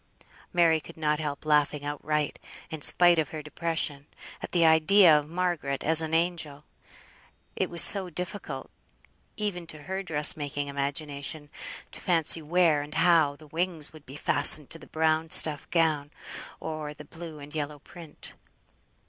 Mary could not help laughing outright, in spite of her depression, at the idea of Margaret as an angel; it was so difficult (even to her dress making imagination) to fancy where, and how, the wings would be fastened to the brown stuff gown, or the blue and yellow print.